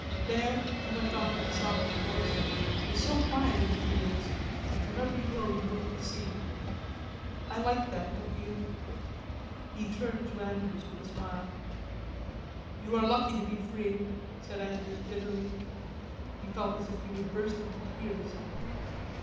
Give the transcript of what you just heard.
"There," he went on in a soft voice, "it is so quiet in the fields, and from every hill you look at the sea.... I like that, don't you?" he turned to Andrews, with a smile. "You are lucky to be free," said Andrews bitterly. He felt as if he would burst into tears.